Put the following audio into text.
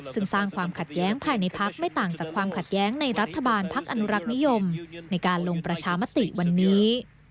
ซึ่งสร้างความขัดแย้งภายในพักไม่ต่างจากความขัดแย้งในรัฐบาลพักอนุรักษ์นิยมในการลงประชามติวันนี้